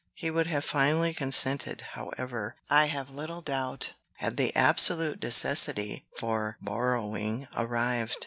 He would have finally consented, however, I have little doubt, had the absolute necessity for borrowing arrived.